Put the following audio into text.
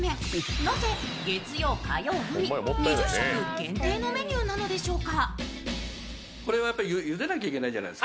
なぜ月曜、火曜のみ２０食限定のメニューなのでしょうか。